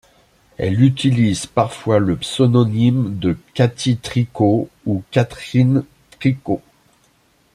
Elle utilise parfois le pseudonyme de Cathy Tricot ou Catherine Tricot.